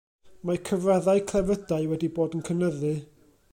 Mae cyfraddau clefydau wedi bod yn cynyddu.